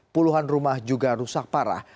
puluhan rumah juga rusak parah